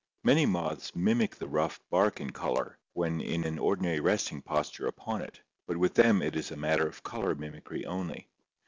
Many moths mimic the rough bark in color when in an ordinary resting posture upon it, but with them it is a matter of color mimicry only.